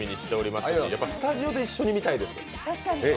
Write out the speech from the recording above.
やっぱりスタジオで一緒に見たいです。